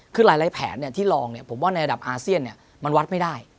คือหลายแผนที่ลองผมว่าในระดับอาเซียนมันวัดไม่ได้